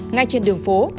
ngay trên đường phố